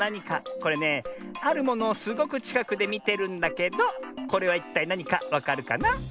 これねあるものをすごくちかくでみてるんだけどこれはいったいなにかわかるかな？